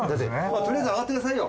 とりあえず上がってくださいよ。